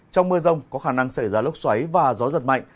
trong mưa rông có khả năng xảy ra lốc xoáy và gió giật mạnh